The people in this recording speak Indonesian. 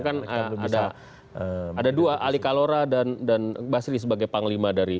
karena kan ada dua ali kalora dan basri sebagai panglima dari